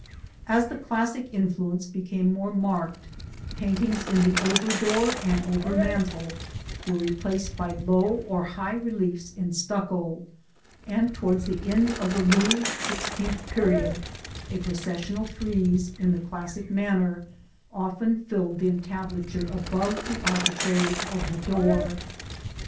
As the classic influence became more marked, paintings in the over door and over mantel were replaced by low or high reliefs in stucco: and towards the end of the Louis XVI period a processional frieze in the classic manner often filled the entablature above the architrave of the door (see Plate XVI).